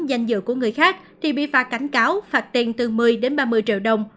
danh dự của người khác thì bị phạt cảnh cáo phạt tiền từ một mươi đến ba mươi triệu đồng